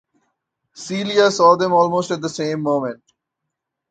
Celia saw them almost at the same moment.